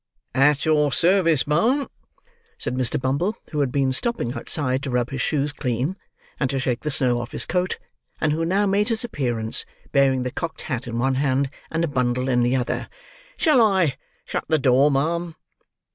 "At your service, ma'am," said Mr. Bumble, who had been stopping outside to rub his shoes clean, and to shake the snow off his coat; and who now made his appearance, bearing the cocked hat in one hand and a bundle in the other. "Shall I shut the door, ma'am?"